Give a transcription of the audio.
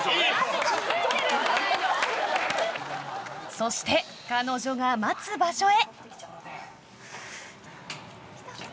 そして、彼女が待つ場所へ。